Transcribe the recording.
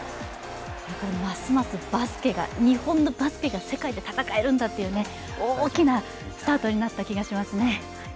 ますます日本のバスケが世界と戦えるんだって大きなスタートになった気がします。